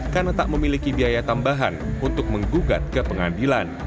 karena tak memiliki biaya tambahan untuk menggugat ke pengadilan